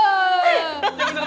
daripada nganggur lagi